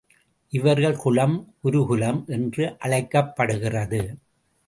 இவர்கள் குலம் குருகுலம் என்று அழைக்கப்படுகிறது.